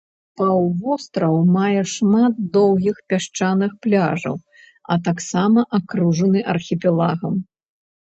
Паўвостраў мае шмат доўгіх пясчаных пляжаў, а таксама акружаны архіпелагам.